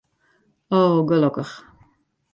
O, gelokkich.